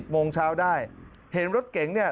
โมงเช้าได้เห็นรถเก๋งเนี่ย